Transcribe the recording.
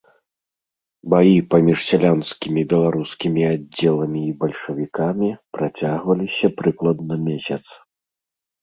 Баі паміж сялянскімі беларускімі аддзеламі і бальшавікамі працягваліся прыкладна месяц.